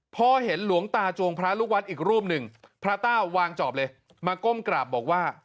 พอเห็นหลวงตาจวงพระลูกวัดอีกรูปหนึ่งพระต้าวางจอบเลยมาก้มกราบบอกว่า